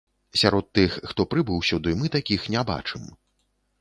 Сярод тых, хто прыбыў сюды, мы такіх не бачым.